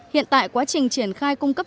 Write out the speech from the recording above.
hiện tại quá trình triển khai cung cấp